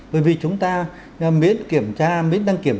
bởi vì chúng ta miễn kiểm